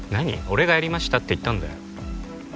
「俺がやりました」って言ったんだよ